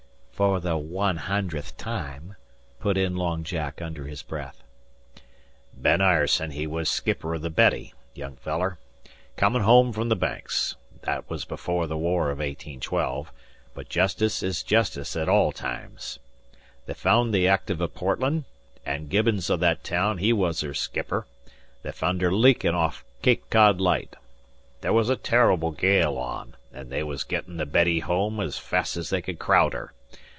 "For the wan hundredth time," put in Long Jack under his breath "Ben Ireson he was skipper o' the Betty, young feller, comin' home frum the Banks that was before the war of 1812, but jestice is jestice at all times. They fund the Active o' Portland, an' Gibbons o' that town he was her skipper; they fund her leakin' off Cape Cod Light. There was a terr'ble gale on, an' they was gettin' the Betty home 's fast as they could craowd her.